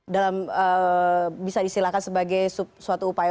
dalam bisa disilahkan sebagai suatu upaya